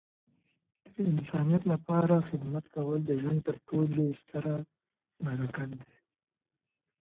د انسانیت لپاره خدمت کول د ژوند تر ټولو ستره برکت دی.